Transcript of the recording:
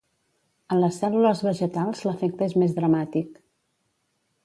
En les cèl·lules vegetals l'efecte és més dramàtic.